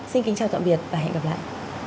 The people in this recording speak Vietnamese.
xin kính chào tạm biệt và hẹn gặp lại